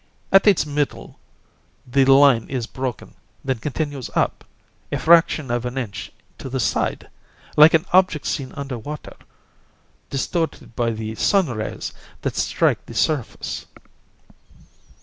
At its middle, the line is broken, then continues up a fraction of an inch to the side! Like an object seen under water, distorted by the sun rays that strike the surface!"